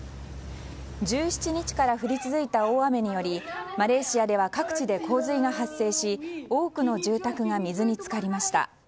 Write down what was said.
１７日から降り続いた大雨によりマレーシアでは各地で洪水が発生し多くの住宅が水に浸かりました。